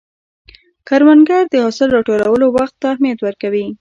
کروندګر د حاصل راټولولو وخت ته اهمیت ورکوي